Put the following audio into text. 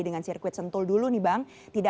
dengan sirkuit sentul dulu nih bang